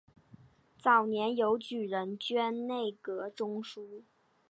早年由举人捐内阁中书。